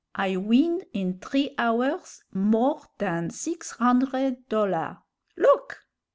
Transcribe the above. I win in t'ree hours more dan six hundred dollah! Look."